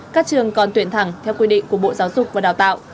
các trường còn tuyển thẳng theo quy định của bộ giáo dục và đào tạo